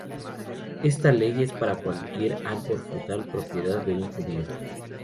Esta ley es para cualquier árbol frutal propiedad de un judío.